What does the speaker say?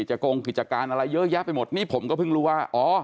กงกิจการอะไรเยอะแยะไปหมดนี่ผมก็เพิ่งรู้ว่าอ๋อ